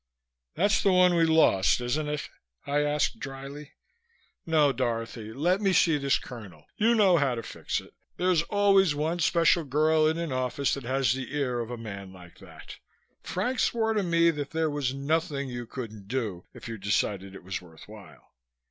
"That's the one we lost, isn't it?" I asked dryly. "No, Dorothy. Let me see this Colonel. You know how to fix it there's always one special girl in an office that has the ear of a man like that. Frank swore to me that there was nothing you couldn't do if you decided it was worth while."